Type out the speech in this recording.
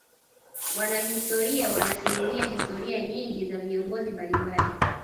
wanahistoria wanasimulia historia nyingi za viongozi mbalimbali